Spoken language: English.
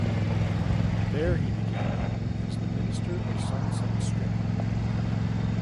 There he became known as the Minister of Sunset Strip.